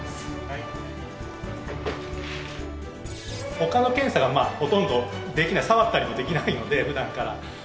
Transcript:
ほかの検査がほとんどできない触ったりもできないのでふだんから。